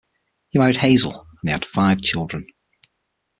He married Hazel and they had five children.